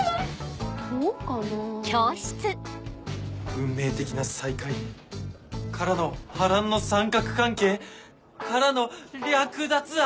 運命的な再会からの波乱の三角関係からの略奪愛！